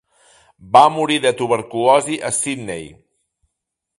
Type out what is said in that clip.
Va morir de tuberculosi a Sydney.